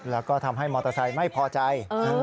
แล้วก็ทำให้มอเตอร์ไซค์ไม่พอใจ